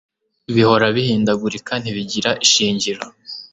bihora bihindagurika, ntibigira ishingiro